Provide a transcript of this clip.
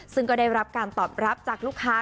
ซึ่งก็ได้รับการตอบรับจากลูกค้า